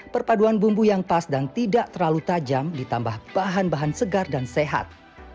perpaduan bumbu yang pas dan tidak terlalu tajam ditambah bahan bahan segar dan sehat